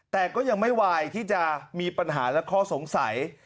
แต่ก็ยังไม่วายที่จะมีปัญหาและข้อสงสัย